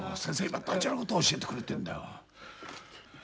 今大事なこと教えてくれてんだよ。